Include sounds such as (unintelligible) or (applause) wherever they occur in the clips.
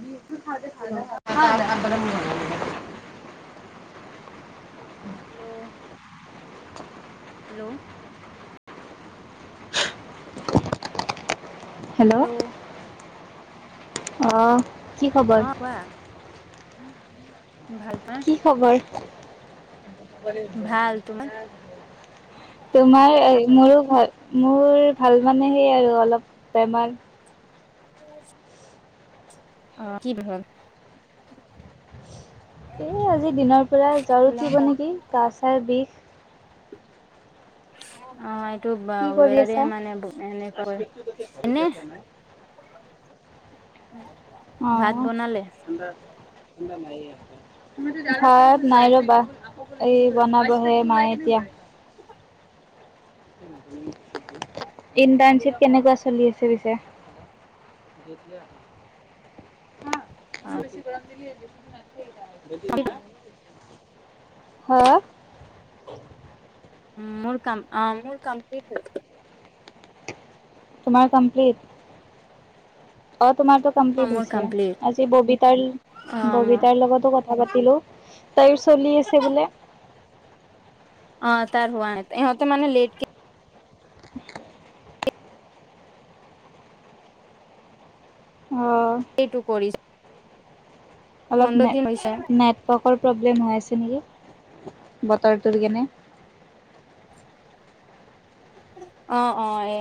B খ খ (unintelligible) hello, hello, hello, অহ', অ, কোৱা ভাল তই? ভাল তোমাৰ (unintelligible) তোমাৰ এই মোৰো ভাল মোৰ ভাল মানে সেই আৰু অলপ বেমাৰ। অ, কি হল? এই আজি দিনৰ পৰা জ্বৰ উঠিব নেকি গা চাৰ বিষ। অ, এইটো বা কি কৰি ৱেদাৰ আছা? মানে এনেকুৱা হয়নে। উম, অ, ভাত নাই ৰবা। এই বনাবহে মায়ে এতিয়া। ইণ্টাৰ্ণশ্বিপ কেনেকুৱা চলি আছে পিছে। কা অ তুমি বেছি গৰম দিলিে দেচোন নাই (unintelligible) হা? উম, মোৰ কম মোৰ কমপ্লিট হৈ গল। তোমাৰ কমপ্লিট। অ, তোমাৰটো অ কমপ্লিট মোৰ হৈছে কমপ্লিট আজি অ মোৰ ববিতাৰ-ববিতাৰ লগতো কথা পাতিলো। তাইয়ো চলি আছে বোলে। অ, তাৰ হোৱা ন ইহতে মান লেট (inaudible) অ', এইটো কৰিছ অলপ হৈছে নেট-নেটৱৰ্কৰ প্ৰব্লেম হৈ আছে নেকি বতৰটোৰ কেনে। অ', অ', এ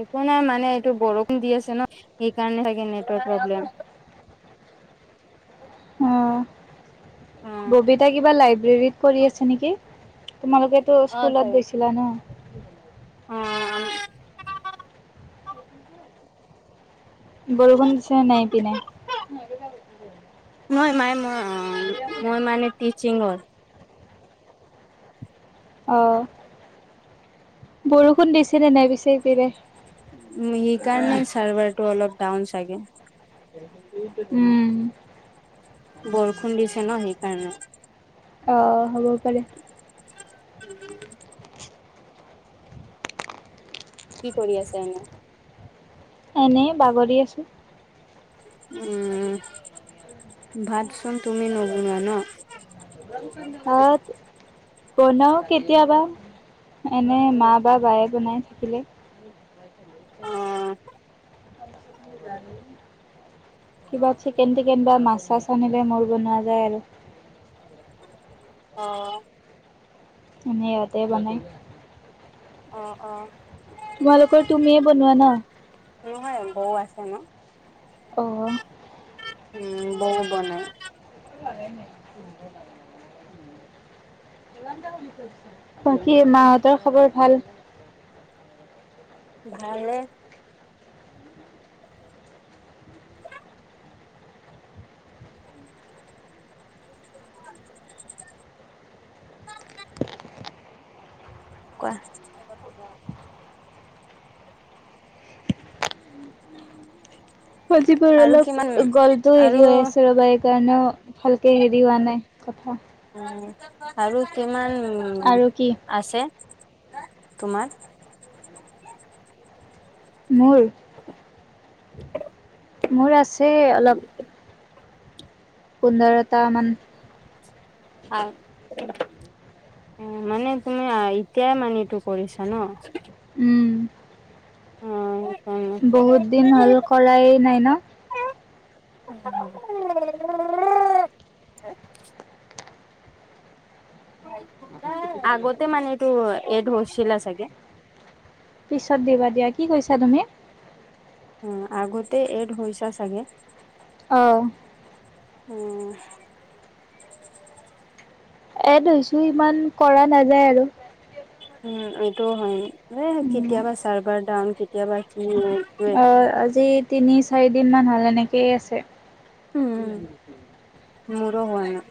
একো নাই মানে এইটো বৰষুণ দি আছে ন সেইকাৰণে থাকে নেটৰ্ক প্ৰব্লেম। অ অ ববিতা কিবা লাইব্ৰেৰীত কৰি আছে নেকি? তোমালোকেটো অ স্কুলত চাগে গৈছিলা ন। অ', বৰষুণ দিছে নাই সেইপিনে? মই-মই-মই মানে টিচিঙৰ। অ, বৰষুণ দিছেনে নাই পিছে সেইপিনে? উম, সেইকাৰণে চাৰ্ভাৰটো অলপ ডাউন চাগে। উম, বৰষুণ দিছে ন সেইকাৰণে। অ, হ'ব পাৰে। কি কৰি আছে এনে? এনেই বাগৰি আছো। উম, ভাত ভাত বনাও কেতিয়াবা এনে মা বা বায়ে বনাই থাকিলে। তি অ (unintelligible) কিবা চিকেন টিকেন বা মাছ চাছ আনিলে মই বনোৱা যায় আৰু। অ', এনেতে ইহতে বনাই। অ, অ। তোমালোকৰ তুমিয়ে বনোৱা ন? নহয় বৌ আছে ন। অ', উম, বৌ বনাই। প নে (unintelligible) (unintelligible) কি মাহঁতৰ খবৰ ভাল? ভালে। (inaudible) কোৱা? সজবোৰ আৰু অলপ কিমান গলটো আৰু হেৰি হৈ আছে ৰবা এক সেইকাৰণেও ভালকৈ হেৰি হোৱা নাই কথা। উ আৰু কিমান আৰু কি আছে তোমাৰ? মোৰ, মোৰ আছে অলপ পুন্দৰতা মান। হয় (unintelligible) অ মানে তুমি এতিয়াই মানিটো কৰিছা ন? উম। অ'। বহুত দিন হ'ল কৰাই নাই ন? (unintelligible) আগতে মানে এইটো এড হৈছিলে চাগে? পিছত দিবা, দিয়া কি কৈছা তুমি? উম আগতে এড হৈছা চাগে? অঁহ। উম' এড হৈছো, ইমান কৰা নাযায় আৰু। উম এইটো হয়। উম। কেতিয়াবা চাৰ্ভাৰ ডাউন, কেতিয়াবা কি অ আজি তিনি-চাৰি দিন মান হল, এনেকেই আছে। উম, মোৰো হোৱা নাই।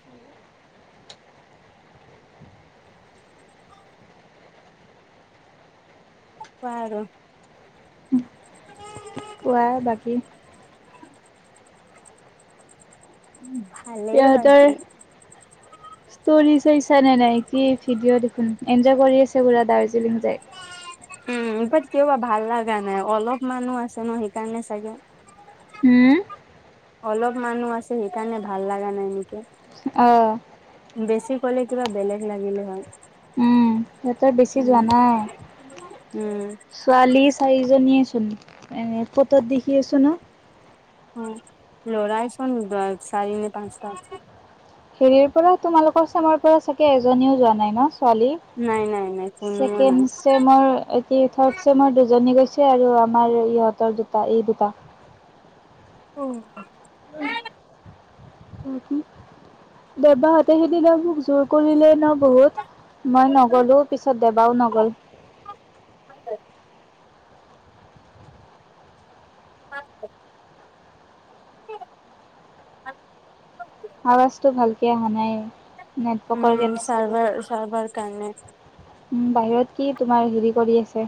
পা আৰু কোৱা বাকী? (unintelligible) (unintelligible) ভালেই বাকী। ষ্টৰি চাইছা নে নাই? কি ভিডিঅ' দেখোন, এনজয় কৰি আছে পুৰা দাৰ্জিলিং যায়। উম বাট কিবা ভাল লগা নাই, অলপমানো আছে ন সেইকাৰণে চাগে। হুম অলপ মানুহ আছে সেইকাৰণে ভাল লগা নাই নেকি? অ বেছি ক'লে কিবা বেলেগ লাগিলে হয়। উম সিহঁতৰ বেছি উম, যোৱা নাই। উম। ছোৱালী চাৰিজনীয়েচোন, এ ফটোত দেখি আছো ন। অ লৰাাইছোন ন চাৰি নে পাঁচটা। হেৰিৰ পৰা তোমালোকৰ চামৰ পৰা চাগে এজনীও যোৱা নাই ন ছোৱালী? নাই, নাই, নাই কোনো নাই। মোৰ এটি থাৰ্ড চেমৰ দুজনী গৈছে আৰু আমাৰ ইহঁতৰ দুটা, এই দুটা। উম। উম। দেবাহঁতে সেইদিনা মোক জোৰ কৰিলে ন বহুত। মই নগ'লো, পিছত দেবাও নগ'ল। আ (unintelligible) (unintelligible) আৱাজটো ভালকে অহা নাই নেটৱৰ্কৰ উম কাৰনে চাৰ্ভাৰ চাৰ্ভাৰ কাৰণে ছাগে উম, বাহিৰত কি তোমাৰ হেৰি কৰি আছে।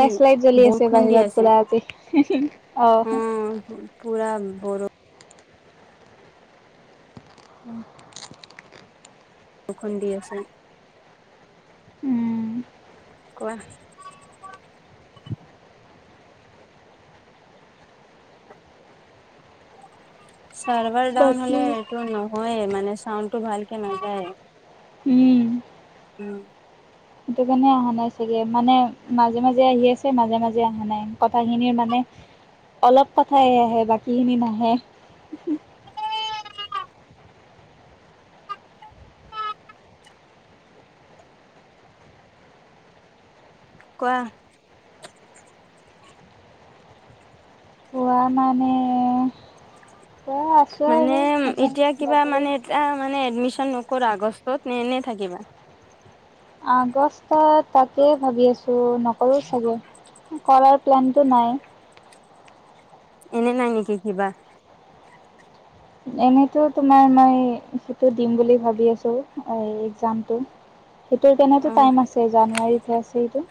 কি লাইট জ্বলি আছে বৰষুণ দি বাহিৰত আছে খোলাকে অ, উম পুৰা বৰ উম। বখনদি আছে। উম কোৱা? চাৰ্ভাৰ ডাউন হলে বাকী এইটো নহয়ে মানে চাউনডটো ভালকে নাযায়। উম, উম, সেইটো কাৰণে অহা নাই চাগে মানে মাজে - মাজে আহি আছে মাজে - মাজে অহা নাই কথাখিনিৰ মানে অলপ কথাই আহে বাকী খিনি নাহে। কোৱা? খোৱা মানে খোৱা আছো আৰু এনেই যাবলৈ এয়া মানে এডমিশন নকৰা আগষ্টত এনে - এনে থাকিব। আগষ্ট তাকে ভাবি আছো নকৰো চাগে। কৰাৰ প্লেনটো নাই। এনে নাই নেকি কিবা? এনেতো তোমাৰ মই সেইটো দিম বুলি ভাবি আছো একজামটো। সেইটোৰ কেনে অ' টাইম আছে জানুৱাৰীতহে আছে এইটো।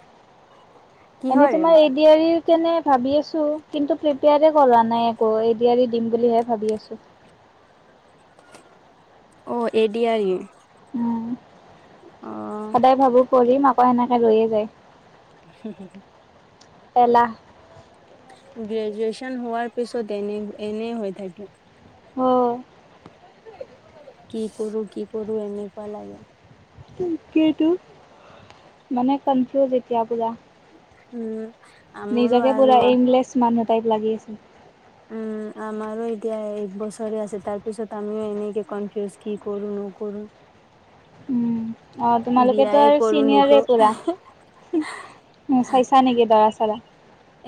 এনেই কিহৰ তোমাৰ এ ডি আৰি কেনে ভাবি আছো কিন্তু প্ৰিপেয়াৰ কৰা নাই একো এ ডী আৰি দিম বুলিহে ভাবি আছো। অ, এ ডি আৰি। উম, সদায় ভাবো কৰিম আকৌ এনেকে ৰৈয়ে যায়। হু- হু- হু। এলাহ। গ্ৰেজুৱেচন হোৱাৰ পিছত এনে - এনেই হৈ থাকে। হহ কি কৰো - কি কৰো এনেকুৱা লাগে। কিটো মানে কনফিউজ এতিয়া পুৰা। উম, আমৰো নিজাকে পুৰা আৰু এইমলেছ মানুহ টাইপ লাগি আছে। উম (unintelligible) আমাৰো এতিয়া এক বছৰে আছে তাৰ পিছত আমিও এনেকে কনফিউজ কি কৰো, নকৰো। উম অ, তোমালোকেতো বিয়াই আৰু কৰো নেকো। চিনিয়ৰে পুৰা। চাইছা নেকি দৰা চৰা।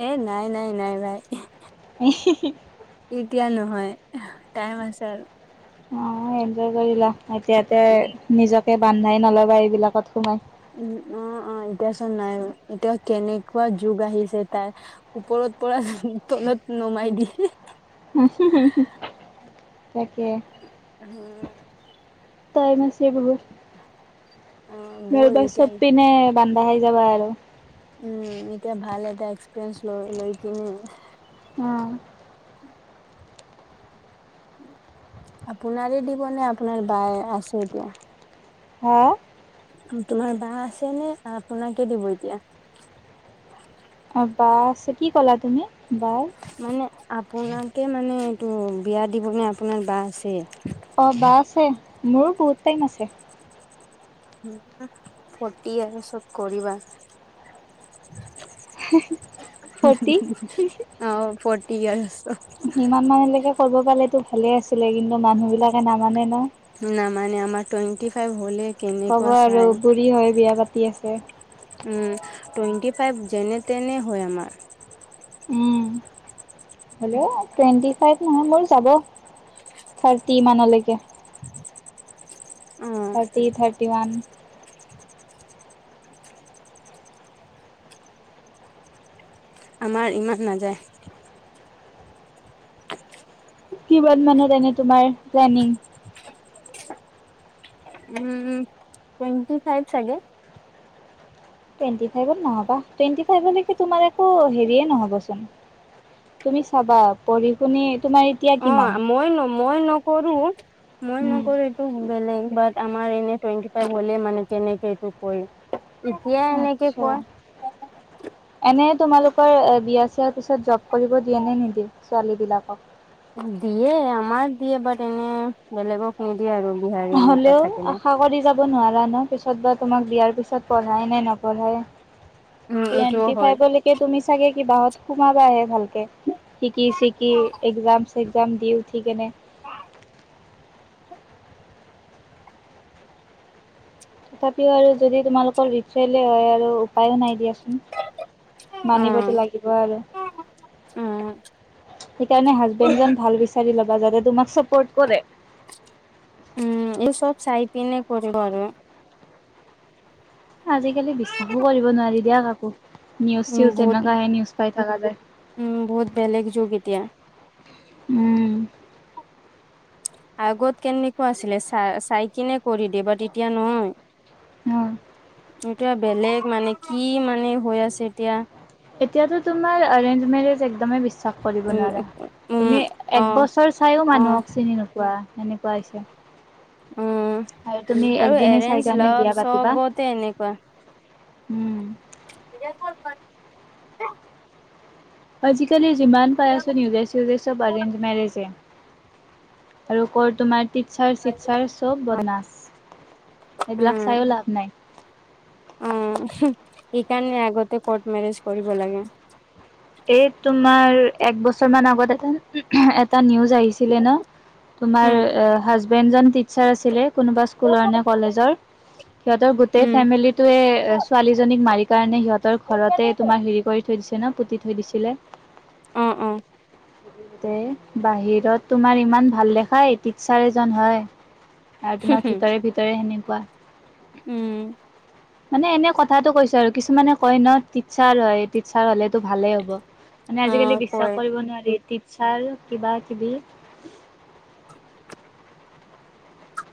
এ নাই-নাই-নাই ভাই। ই হি - হি এতিয়া নহয় টাইম আছে আৰু। অ, এনজয় কৰিলা এতিয়াতে উম। নিজকে বান্ধাই নলবা এইবিলাকত সোমাই। উম, অ', অ ', এতিয়া চোন নাই এতিয়া কেনেকুৱা যুগ আহিছে তাৰ। ওপৰত পৰা তলত নমাই দিয়ে। উম, হুম তাকে। অ', টাইম আছে বহুত, অ', বহুত নবা এতিয়া চব পিনে। বানধা হৈ যাবা আৰু। উম, এতিয়া ভাল এটা এক্সপেৰিয়েন্ঞ্চ লৈ - লৈ কিনে। উম। আপোনাৰে দিবনে আপোনাৰ বায় আছে এতিয়া। হা তোমাৰ বা আছে নে আপোনাকে দিব এতিয়া। অ বা আছে কি ক'লা তুমি বাৰ। তাকে মানে এইটো বিয়া দিবনে আপোনাৰ বা আছে। অ, বা আছে মোৰো বহুত টাইম আছে। উম, ফৰটি আৰু আৰু চব কৰিবা। ফৰ্টি অ, ফৰটি ইয়াৰছ। ইমান মানলৈকে কৰিব পালে ভালে আছিলে কিন্তু। মানুহবিলাকে নামানে ন। নামানে আমাৰ টোৱেণ্টি ফাইভ হলেই ক'ব আৰু বুঢ়ী হৈ বিয়া পাতি আছে। উম টুৱেণ্টি ফাইভ যেনে তেনে হয় আমাৰ। উম। হ'লেও টুৱেণ্টি ফাইভ নহয় মোৰ যাব, থাৰ্টি মানলৈকে। অ থাৰ্টি, থাৰ্টি ওৱান। আমাৰ ইমান নাযায়। কিমান মানত এনে তোমাৰ প্লেনিং উম। টুৱেণ্টি ফাইভ চাগে। টুৱেণ্টি ফাইভত নহবা টুৱেণ্টি ফাইভলৈকে তোমাৰ একো হেৰিয়ে নহবচোন। তুমি চাবা পঢ়ি শুনি তোমাৰ। এতিয়া অ কিমান? মই ন মই নকৰো, মই উম, নকৰিম। বেলেগ বাট আমাৰ এনে টোৱন্টি ফাইভ হলে মানে যেনেকে এইটো কয়। এতিয়াই এনেকে কয়। এনেই তোমালোকৰ বিয়া চিয়াৰ পিছত জব কৰিব দিয়ে নে নিদিয়ে ছোৱালীবিলাকক। দিয়ে আমাৰ দিয়ে বাট এনে বেলেগক নিদিয়ে আৰু বিহাৰী এনেকুৱা হ'লেও থাকিলে। আশা কৰি যাব নোৱাৰা ন পিছত বা তোমাক বিয়াৰ পিছত পঢ়াই নে নপঢ়াই। উম এইটোও টুৱেন্টি হয় ফাইভলৈকে তুমি চাগে কি বাহত সোমাবা হে ভালকে। শিকি চিকি একজাম চেগজাম দি উঠি কেনে। (unintelligible) তথাপিও আৰু যদি তোমালোকৰ ৰিচোয়েলে হয় আৰু উপায়ো নাই দিয়াচোন। উম মানিবতো লাগিব আৰু। উম সেইকাৰণে হাজবেণ্ডজন ভাল বিচাৰি ল'বা যাতে তোমাক ছাপৰ্ট কৰে। উম এই চব চাই পিনে কৰিব আৰু। আজিকালি বিশ্বাসো কৰিব নোৱাৰি দিয়া কাকো, নিউজ উম চিউজ বহুত যেনেকোৱাহে নিউজ পাই থকা যায়। উম বহুত বেলেগ যুগ এতিয়া। উম। আগত কেনেকুৱা আছিলে ছা -ছাইকিনে কৰি দিব তেতিয়া নহয় অ এটোৱা বেলেগ মানে কি মানে হৈ আছে এতিয়া। এতিয়াতো তোমাৰ এৰেঞ্জ মেৰেজ একদমেই বিশ্বাস কৰিব উম নোৱাৰা, উম তুমি অ একবছৰ চাইও অ মানুহক চিনি নোপোৱা সেনেকুৱা হৈছে। উম আৰু তুমি আৰু একদিনে এৰেঞ্জ চাই কাণে লাভ বিয়া পাতিবা? চবতে এনেকুৱা। উম। (unintelligible) আজিকালি যিমান পাই আছো নিউজে চিউজে চব অৰেঞ্জ মেৰেজে। আৰু কৌট তোমাৰ টিটচাৰ চিটচাৰ চব বদনাছ উম এইবিলাক ছাইও লাভ নাই। উম, উহু এইকাৰণে আগতে কৰ্ট মেৰেজ কৰিব লাগে। এই তোমাৰ এক বছৰ মান আগত এটা, এটা নিউজ আহিছিলে ন তুমাৰ উম। হাজবেণ্ড জন টিচাৰ আছিল কোনোবা স্কুলৰ নে কলেজৰ সিহঁতৰ গোটেই উম ফেমিলিটোৱে ছোৱালীজনীক মাৰি কাৰণে সিহঁতৰ ঘৰতে তোমাৰ হেৰি কৰি থৈ দিছে ন' পুতি থৈ দিছিলে। অ'-অ' (inaudible) তে বাহিৰত তোমাৰ ইমান ভাল দেখাই টিচাৰ এজন হয়। আৰু তোমাৰ ভিতৰে-ভিতৰে সেনেকুৱা। উম মানে এনে কথাটো কৈছো আৰু কিছুমানে কয় ন টিচাৰ হয় টিচাৰ হলেতো ভালেই হ'ব। মানে অ আজিকালি কয় বিশ্বাস কৰিব নোৱাৰি টিচাৰ কিবা- কিবি।